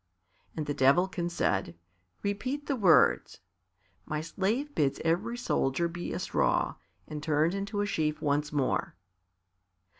And the Devilkin said, "Repeat the words My slave bids every soldier be a straw And turn into a sheaf once more."